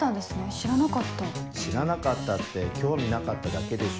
知らなかったって興味なかっただけでしょ。